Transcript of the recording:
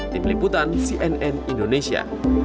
tim liputan cnn indonesia